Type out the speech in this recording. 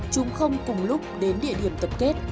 chúng không cùng lúc đến địa điểm tập kết